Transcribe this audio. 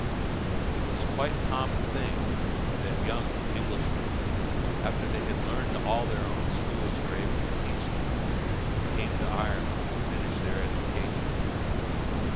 It was quite a common thing that young Englishmen, after they had learned all that their own schools were able to teach them, came to Ireland to finish their education.